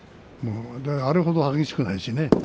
あれほど激しくないしね。